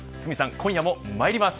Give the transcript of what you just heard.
今夜もまいります。